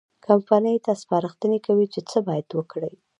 کمپنۍ ته سپارښتنې کوي چې څه باید وکړي.